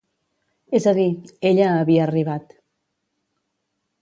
És a dir, ella havia arribat.